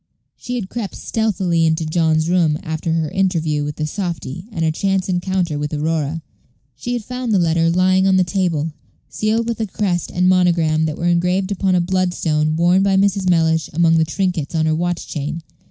She had crept stealthily into John's room after her interview with the softy and her chance encounter with Aurora. She had found the letter lying on the table, sealed with a crest and monogram that were engraved upon a bloodstone worn by Mrs. Mellish among the trinkets on her watch chain.